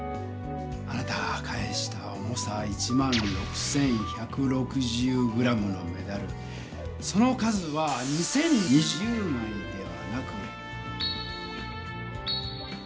あなたが返した重さ１６１６０ｇのメダルその数は２０２０枚ではなく。